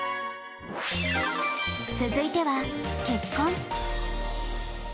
続いては結婚。